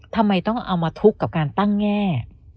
ทำไมต้องเอามาทุกข์กับการตั้งแง่